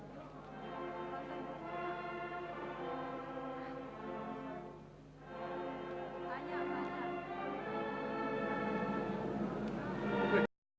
pemberian ucapan selamat